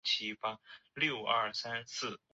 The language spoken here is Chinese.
八棘四门孔虫为门孔虫科四门孔虫属的动物。